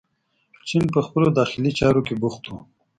چین په خپلو داخلي چارو کې بوخت و.